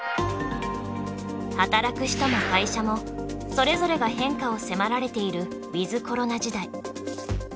働く人も会社もそれぞれが変化を迫られているウィズコロナ時代。